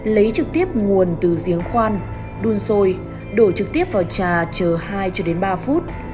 lấy trực tiếp nguồn từ giếng khoan đun sôi đổ trực tiếp vào trà chờ hai ba phút